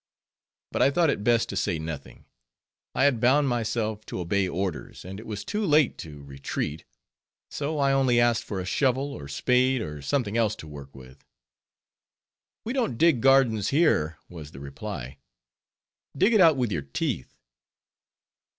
But I thought it best to say nothing; I had bound myself to obey orders, and it was too late to retreat. So I only asked for a shovel, or spade, or something else to work with. "We don't dig gardens here," was the reply; "dig it out with your teeth!"